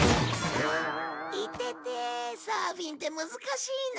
イテテサーフィンって難しいな。